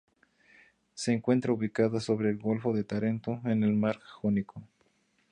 Se encuentra ubicada sobre el golfo de Tarento, en el mar Jónico.